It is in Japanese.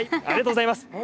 ありがとうございます。